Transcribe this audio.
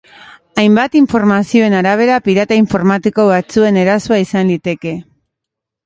Hainbat informazioen arabera, pirata informatiko batzuen erasoa izan liteke.